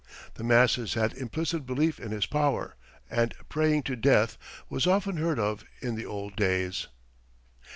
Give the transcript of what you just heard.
The masses had implicit belief in this power, and "praying to death" was often heard of in the old days.